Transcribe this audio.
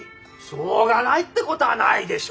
しょうがないってことはないでしょ？